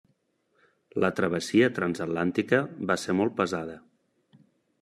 La travessia transatlàntica va ser molt pesada.